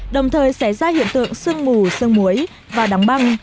đồng thời xé ra hiện tượng sương mù sương muối và đắng băng